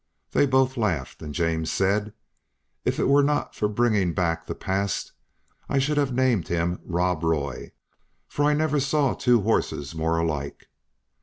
They both laughed, and James said, "If it was not for bringing back the past, I should have named him Rob Roy, for I never saw two horses more alike."